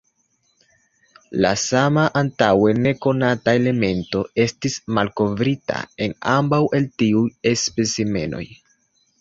La sama antaŭe nekonata elemento estis malkovrita en ambaŭ el tiuj specimenoj.